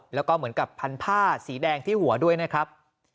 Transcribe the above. และผ้านภาพสีแดงที่หัวด้วยนะครับ